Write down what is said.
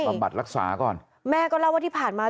บัดรักษาก่อนแม่ก็เล่าว่าที่ผ่านมา